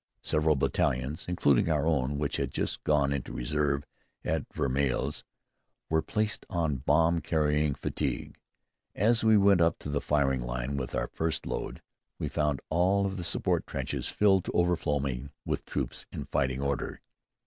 Several battalions (including our own which had just gone into reserve at Vermelles) were placed on bomb carrying fatigue. As we went up to the firing line with our first load, we found all of the support trenches filled to overflowing with troops in fighting order.